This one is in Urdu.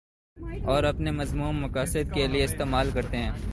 اور اپنے مذموم مقاصد کے لیے استعمال کرتے ہیں